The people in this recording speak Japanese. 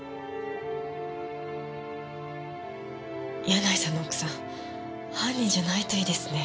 柳井さんの奥さん犯人じゃないといいですね。